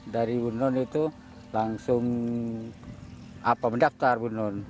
dari bunun itu langsung mendaftar bunun